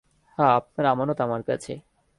হ্যাঁ, আপনার আমানত আমার কাছে।